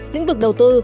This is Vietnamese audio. những vực đầu tư